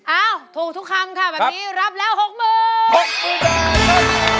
อ้าวถูกทุกคำค่ะแบบนี้รับแล้ว๖มือ